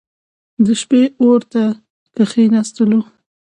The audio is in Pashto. د شپې اور ته کښېنستلو.